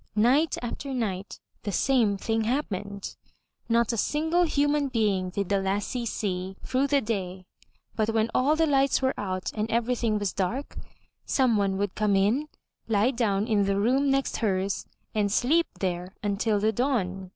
Night after night the same thing happened. Not a single human being did the lassie see through the day but when all the lights were out and everything was dark, someone would come in, lie down in the room next hers and sleep there until the dawn.